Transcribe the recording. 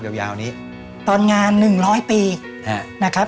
ยาวยาวนี้ตอนงานหนึ่งร้อยปีนะครับ